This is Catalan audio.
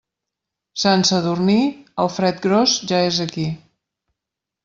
Sant Sadurní, el fred gros ja és aquí.